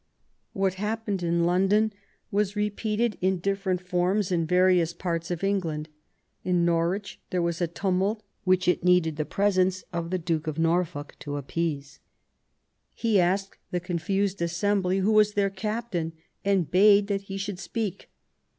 What happened in London was repeated in different forms in various parts of England. In Norwich there was a tumult) which it needed the presence of the Duke of Norfolk to appeasa He asked the confused assembly who was their captain, and bade that he should speak.